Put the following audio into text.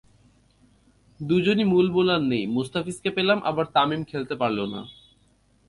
দুইজন মূল বোলার নেই, মুস্তাফিজকে পেলাম, আবার তামিম খেলতে পারল না।